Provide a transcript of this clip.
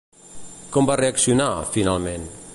Com va reaccionar, finalment?